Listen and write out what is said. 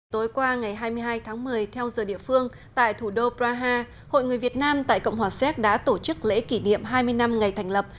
tối qua ngày hai mươi hai tháng một mươi theo giờ địa phương tại thủ đô praha hội người việt nam tại cộng hòa séc đã tổ chức lễ kỷ niệm hai mươi năm ngày thành lập